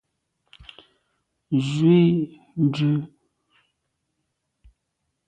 Nzwi dù.